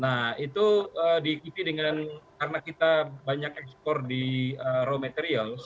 nah itu diikuti dengan karena kita banyak ekspor di raw materials